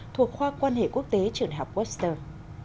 thuộc khoa quan hệ quốc tế trưởng hợp webster